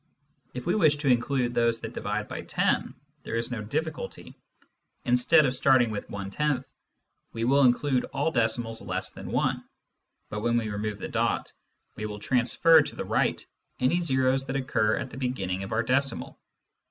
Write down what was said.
If we wish to include those that divide by 10, there is no difficulty ; instead of starting with i, we will include all decimals less than 1, but when we remove the dot, we will transfer to the right any o's that occur at the beginning of our decimal.